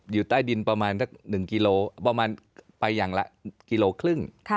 อยู่ใต้ดินประมาณสัก๑กิโลประมาณไปอย่างละกิโลครึ่ง